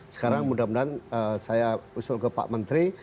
sekarang mudah mudahan saya usul ke pak menteri